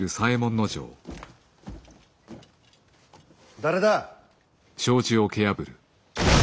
誰だ。